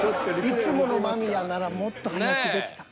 いつもの間宮ならもっと早くできたか。